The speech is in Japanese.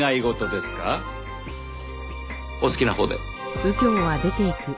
お好きなほうで。